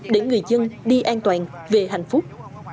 để người chương đi an toàn về hạnh phúc